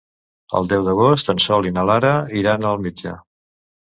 El deu d'agost en Sol i na Lara iran al metge.